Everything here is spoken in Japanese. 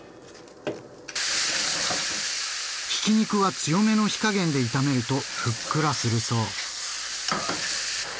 ひき肉は強めの火加減で炒めるとふっくらするそう。